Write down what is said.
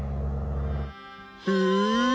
へえ。